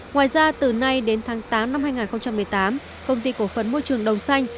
ngoài ra từ nay đến tháng tám năm hai nghìn một mươi tám công ty cổ phấn môi trường đồng xanh